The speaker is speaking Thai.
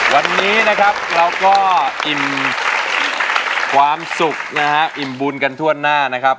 วันนี้นะครับเราก็อิ่มความสุขนะฮะอิ่มบุญกันทั่วหน้านะครับ